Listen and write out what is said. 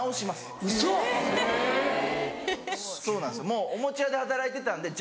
もうおもちゃ屋で働いてたんで。